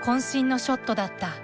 身のショットだった。